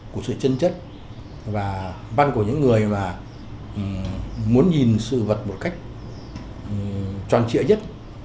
của sự chân chất và văn của những người mà muốn nhìn sự vật một cách tròn trĩa nhất